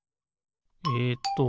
えっと